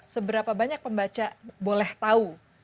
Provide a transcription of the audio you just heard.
seberapa banyak pembaca boleh tahu